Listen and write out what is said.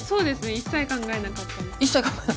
一切考えなかった。